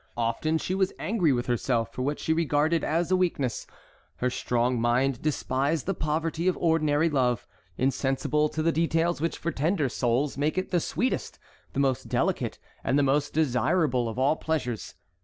Often she was angry with herself for what she regarded as a weakness. Her strong mind despised the poverty of ordinary love, insensible to the details which for tender souls make it the sweetest, the most delicate, and the most desirable of all pleasures.